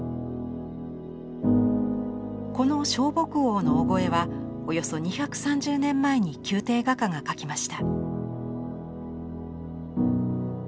この尚穆王の「御後絵」はおよそ２３０年前に宮廷画家が描きました。